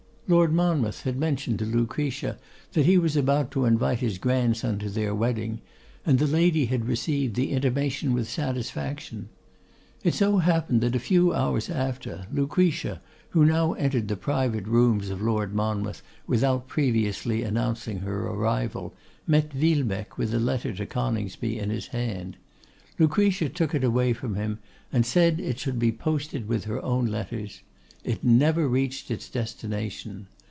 Lord Monmouth had mentioned to Lucretia, that he was about to invite his grandson to their wedding, and the lady had received the intimation with satisfaction. It so happened that a few hours after, Lucretia, who now entered the private rooms of Lord Monmouth without previously announcing her arrival, met Villebecque with the letter to Coningsby in his hand. Lucretia took it away from him, and said it should be posted with her own letters. It never reached its destination.